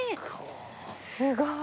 すごい。